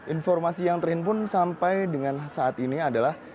informasi yang terhimpun sampai dengan saat ini adalah